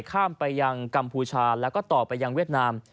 ข้ามไปยังกัมพูชาแล้วก็ต่อไปยังเวียดนาม